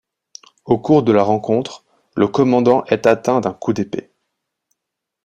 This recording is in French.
Au cours de la rencontre, le commandant est atteint d'un coup d'épée.